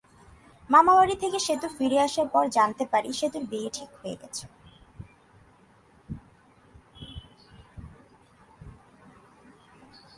মামাবাড়ি থেকে সেতু ফিরে আসার পরে জানতে পারি সেতুর বিয়ে ঠিক হয়েছে।